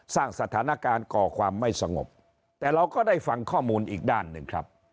สร้างสถานการณ์ก่อความไม่สงบแต่เราก็ได้ฟังข้อมูลอีกด้านหนึ่งครับ